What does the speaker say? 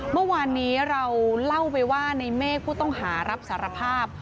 เมื่อวานนี้เราเล่าไปว่าในเมฆผู้ต้องหารับสารภาพ